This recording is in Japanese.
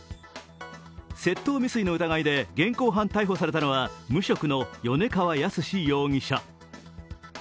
窃盗未遂の疑いで現行犯逮捕されたのは無職の米川靖容疑者。